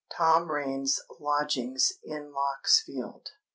TOM RAIN'S LODGINGS IN LOCK'S FIELDS.